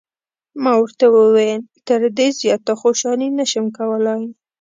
ما ورته وویل: تر دې زیاته خوشحالي نه شم کولای.